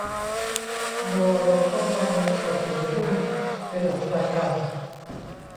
โดยเราต้องวางเงินสดหรือหุ้นเป็นหลักประกัน